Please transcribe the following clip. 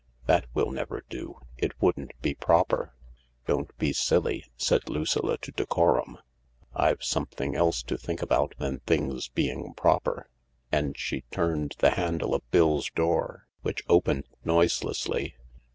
That will never do. It wouldn't be proper." "Don't be silly," said Lucilla to Decorum. "I've something else to think about than things being proper." And she turned the handle of Bill's door, which opened noiselessly.